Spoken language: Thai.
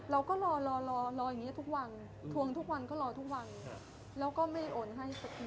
เราก็รอรออย่างนี้ทุกวันทวงทุกวันก็รอทุกวันแล้วก็ไม่โอนให้สักที